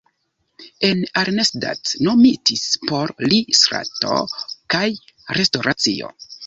En Arnstadt nomitis por li strato kaj restoracio.